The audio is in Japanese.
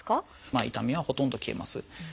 痛みはほとんど消えます。